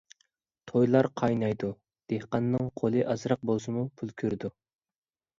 تويلار قاينايدۇ، دېھقاننىڭ قولى ئازراق بولسىمۇ پۇل كۆرىدۇ.